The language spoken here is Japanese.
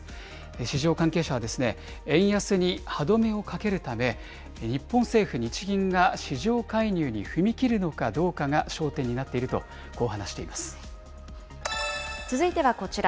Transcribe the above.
市場関係者はですね、円安に歯止めをかけるため、日本政府・日銀が市場介入に踏み切るのかどうかが焦点になってい続いてはこちら。